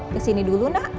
kesini dulu nak